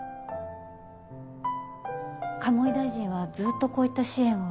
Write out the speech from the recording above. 鴨井大臣はずっとこういった支援を？